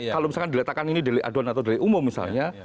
kalau misalkan diletakkan ini delik aduan atau delik umum misalnya